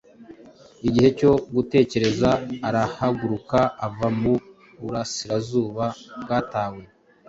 igihe cyo gutekereza, arahaguruka ava mu burasirazuba bwatawe,